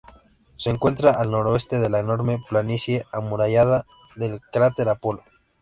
Se encuentra al noroeste de la enorme planicie amurallada del cráter Apolo.